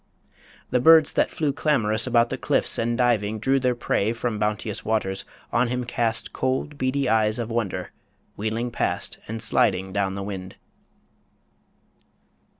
The birds that flew Clamorous about the cliffs, and diving drew Their prey from bounteous waters, on him cast Cold, beady eyes of wonder, wheeling past And sliding down the wind.